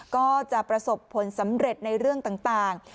ก็จะประสบผลสำเร็จในเรื่องต่าง